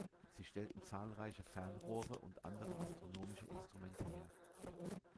Sie stellten zahlreiche Fernrohre und andere astronomische Instrumente her.